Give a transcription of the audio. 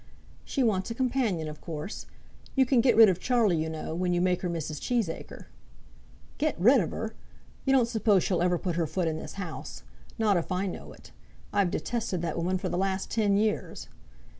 "She wants a companion, of course. You can get rid of Charlie, you know, when you make her Mrs. Cheesacre." "Get rid of her! You don't suppose she'll ever put her foot in this house. Not if I know it. I've detested that woman for the last ten years."